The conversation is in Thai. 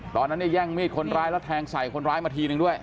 ตอนนั้นเนี่ยแย่งมีดคนร้ายแล้วแทงใส่คนร้ายมาทีนึงด้วย